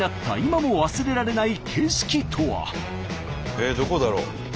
えっどこだろう？